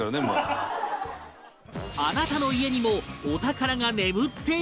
あなたの家にもお宝が眠っているかも？